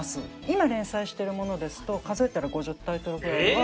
今連載しているものですと数えたら５０タイトルぐらいは。